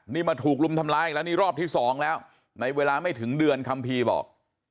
นี่มาถูกรุมทำร้ายอีกแล้วนี่รอบที่สองแล้วในเวลาไม่ถึงเดือนคัมภีร์บอก